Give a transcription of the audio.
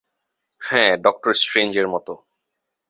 হ্যাঁ, ডক্টর স্ট্রেঞ্জের মতো।